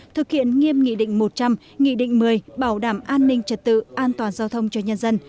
thực hiện nghiêm nghị định một trăm linh nghị định một mươi bảo đảm an ninh trật tự an toàn giao thông cho nhân dân